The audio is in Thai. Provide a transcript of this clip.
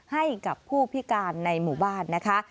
ให้กับผู้พิการในหมู่บ้านนะคะ